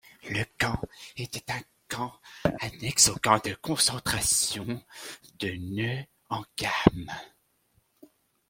Le camp était un camp annexe au camp de concentration de Neuengamme.